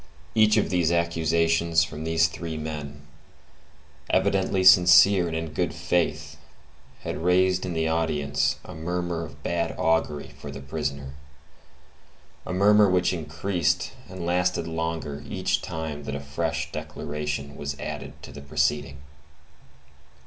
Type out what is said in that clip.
Each of these affirmations from these three men, evidently sincere and in good faith, had raised in the audience a murmur of bad augury for the prisoner,—a murmur which increased and lasted longer each time that a fresh declaration was added to the proceeding.